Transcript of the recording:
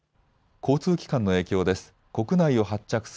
交通機関の影響です。